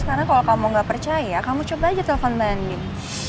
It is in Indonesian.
sekarang kalau kamu gak percaya kamu coba aja telfon mbak endin